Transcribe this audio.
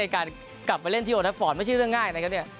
การกลับไปเล่นที่โอทัฟฟอร์ตไม่ใช่เรื่องง่ายนะครับเนี่ย